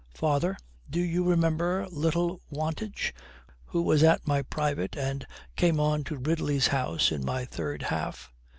'Father, do you remember little Wantage who was at my private and came on to Ridley's house in my third half?